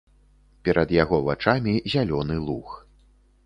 Перад яго вачамі зялёны луг.